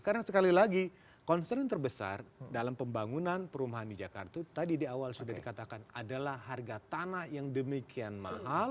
karena sekali lagi concern terbesar dalam pembangunan perumahan di jakarta tadi di awal sudah dikatakan adalah harga tanah yang demikian mahal